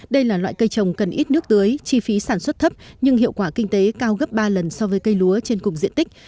đây là loại cây trồng cần ít nước tưới chi phí sản xuất thấp nhưng hiệu quả kinh tế cao gấp ba lần so với cây lúa trên cùng diện tích